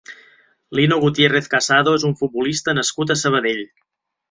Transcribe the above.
Lino Gutiérrez Casado és un futbolista nascut a Sabadell.